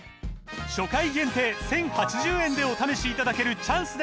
初回限定１，０８０円でお試しいただけるチャンスです